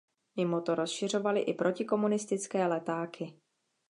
Mimo to rozšiřovali i protikomunistické letáky.